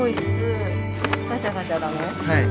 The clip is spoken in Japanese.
はい。